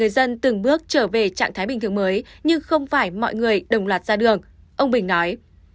dân từng bước trở về trạng thái bình thường mới nhưng không phải mọi người đồng loạt ra đường ông bình nói